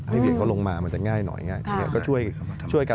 ให้เวียงเขาลงมามันจะง่ายหน่อยง่ายก็ช่วยกัน